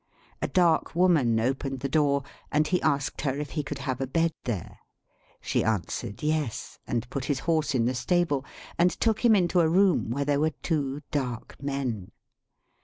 A dark woman opened the door, and he asked her if he could have a bed there. She answered yes, and put his horse in the stable, and took him into a room where there were two dark men.